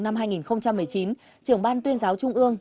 năm hai nghìn một mươi chín trưởng ban tuyên giáo trung ương